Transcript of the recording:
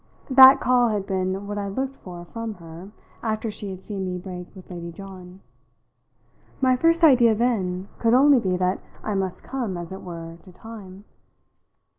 That call had been what I looked for from her after she had seen me break with Lady John; my first idea then could only be that I must come, as it were, to time.